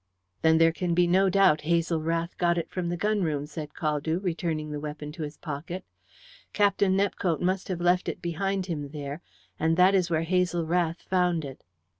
"Then there can be no doubt Hazel Rath got it from the gun room," said Caldew, returning the weapon to his pocket. "Captain Nepcote must have left it behind him there, and that is where Hazel Rath found it."